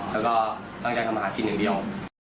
แล้วก็ตั้งใจทำมาหากินอย่างเดียว